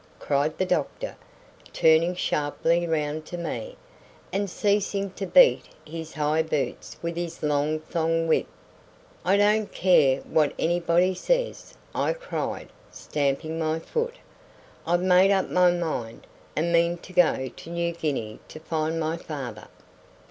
cried the doctor, turning sharply round to me, and ceasing to beat his high boots with his long thonged whip. "I don't care what anybody says," I cried, stamping my foot. "I've made up my mind, and mean to go to New Guinea to find my father."